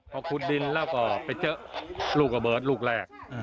พอขุดดินแล้วก็ไปเจอลูกระเบิดลูกแรก